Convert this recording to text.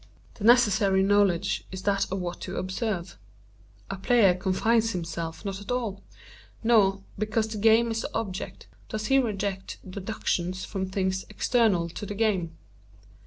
The necessary knowledge is that of what to observe. Our player confines himself not at all; nor, because the game is the object, does he reject deductions from things external to the game.